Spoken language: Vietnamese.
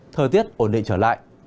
thời tiết ổn định trở lại